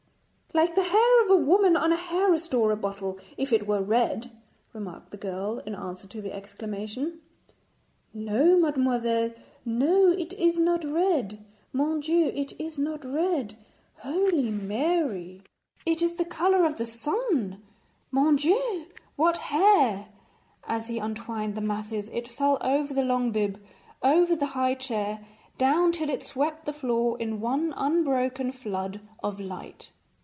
'Like the hair of a woman on a hair restorer bottle, if it were red,' remarked the girl in answer to the exclamation. 'No, mademoiselle, no, it is not red. Mon Dieu! it is not red. Holy Mary! it is the colour of the sun. Mon Dieu, what hair!' As he untwined the masses, it fell over the long bib, over the high chair, down till it swept the floor, in one unbroken flood of light.